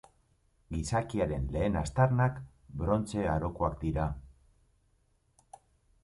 Gizakiaren lehen aztarnak Brontze Arokoak dira.